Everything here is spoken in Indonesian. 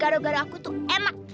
gara gara aku tuh enak